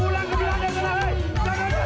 walau yang sama